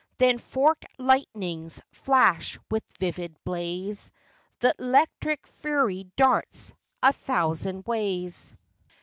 Then forked lightnings flash, with vivid blaze; Th' electic fury darts a thousand ways.